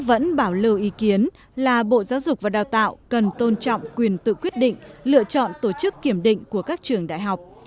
vẫn bảo lưu ý kiến là bộ giáo dục và đào tạo cần tôn trọng quyền tự quyết định lựa chọn tổ chức kiểm định của các trường đại học